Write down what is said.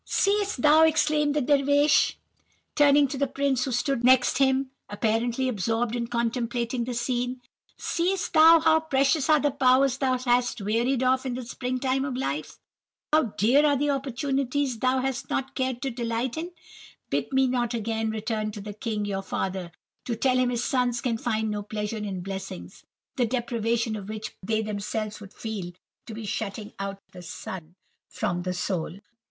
"'Seest thou!' exclaimed the Dervish, turning to the prince who stood next him, apparently absorbed in contemplating the scene. 'Seest thou how precious are the powers thou hast wearied of in the spring time of life? How dear are the opportunities thou hast not cared to delight in? Bid me not again return to the king, your father, to tell him his sons can find no pleasure in blessings, the deprivation of which they themselves would feel to be the shutting out of the sun from the soul.